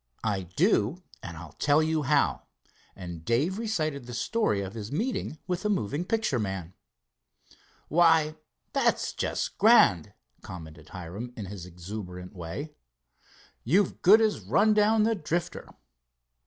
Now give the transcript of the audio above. "I do, and I'll tell you how," and Dave recited the story of his meeting with the moving picture man. "Why, that's just grand," commented Hiram in his exuberant way. "You've good as run down the Drifter."